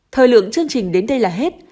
thời lượng chương trình đến đây là hết